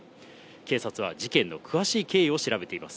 警察は事件の詳しい経緯を調べています。